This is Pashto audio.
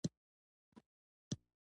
د جنایي کړنو په اړه څو نورې نظریې